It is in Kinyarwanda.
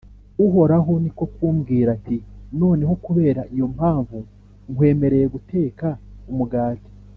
Uhoraho ni ko kumbwira ati «Noneho kubera iyo mpamvu, nkwemereye guteka umugati